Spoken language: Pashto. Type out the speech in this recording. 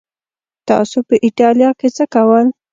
تاسو په ایټالیا کې څه کول؟